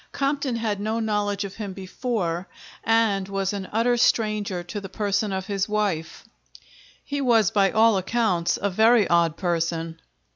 Compton had no knowledge of him before, and was an utter stranger to the Person of his Wife. He was by all accounts a very odd Person."